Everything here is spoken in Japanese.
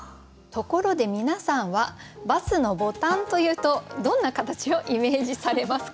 ところで皆さんはバスのボタンというとどんな形をイメージされますか？